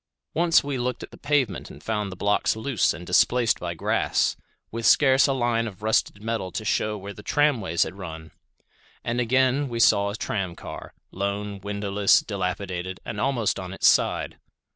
Once we looked at the pavement and found the blocks loose and displaced by grass, with scarce a line of rusted metal to shew where the tramways had run. And again we saw a tram car, lone, windowless, dilapidated, and almost on its side.